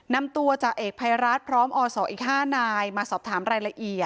นำตัวจ่าเอกภัยรัฐพร้อมอศอีก๕นายมาสอบถามรายละเอียด